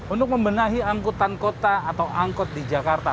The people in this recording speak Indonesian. untuk membenahi angkutan kota atau angkot di jakarta